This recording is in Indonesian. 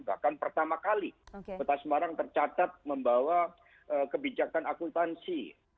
bahkan pertama kali kota semarang tercatat membawa kebijakan akultansi